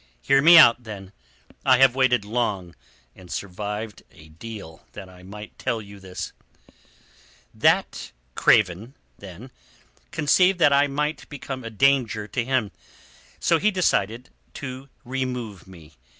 Hear me out, then! I have waited long and survived a deal that I might tell you this "That craven, then, conceived that I might become a danger to him; so he decided to remove me.